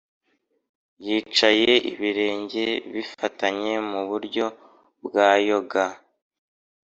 yicaye ibirenge bifatanye (mu buryo bwa yoga)